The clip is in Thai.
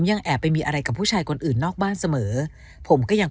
ยังแอบไปมีอะไรกับผู้ชายคนอื่นนอกบ้านเสมอผมก็ยัง